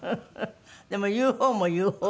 でも言う方も言う方。